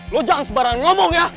lo jangan sebarang ngomong ya